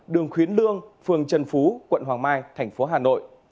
đường khuyến lương phường trần phú quận hoàng mai tp hà nội